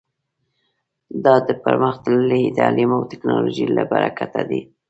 دا د پرمختللي تعلیم او ټکنالوژۍ له برکته دی